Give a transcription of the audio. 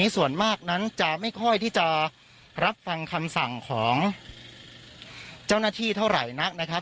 ส่วนมากนั้นจะไม่ค่อยที่จะรับฟังคำสั่งของเจ้าหน้าที่เท่าไหร่นักนะครับ